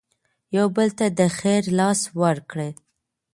یو بل ته د خیر لاس ورکړئ.